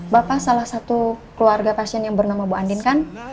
bapak salah satu keluarga pasien yang bernama bu andin kan